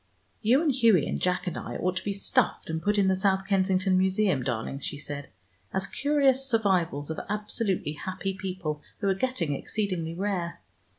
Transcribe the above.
"You and Hughie and Jack and I ought to be stuffed and put in the South Kensington Museum, darling," she said, "as curious survivals of absolutely happy people, who are getting exceedingly rare.